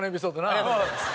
ありがとうございます。